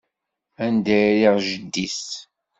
Anda i rriɣ jeddi-s?